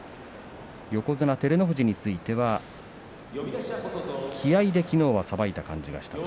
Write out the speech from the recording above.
横綱照ノ富士については気合いで、きのうはさばいた感じがした。